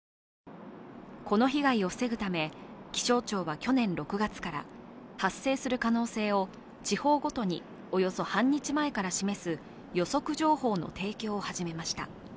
この被害を防ぐため気象庁は去年６月から、発生する可能性を地方ごとにおよそ半日前から示す予測情報の提供を始めました。